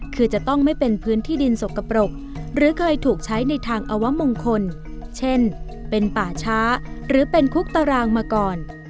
คือจะต้องไม่เป็นพื้นที่ดินสกปรกหรือเคยถูกใช้ในทางอวมงคลเช่นเป็นป่าช้าหรือเป็นคุกตารางมาก่อน